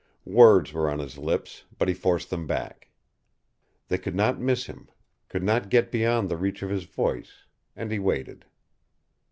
Words were on his lips, but he forced them back. They could not miss him, could not get beyond the reach of his voice and he waited.